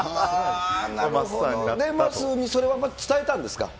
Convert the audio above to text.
桝にそれは伝えたんですか。